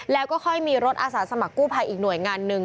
แล้วก็ค่อยมีรถอาสาสมัครกู้ภัยอีกหน่วยงานหนึ่ง